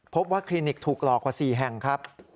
คลินิกถูกหลอกกว่า๔แห่งครับ